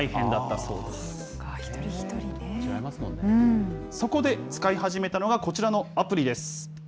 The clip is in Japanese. そこで使い始めたのがこちらのアプリです。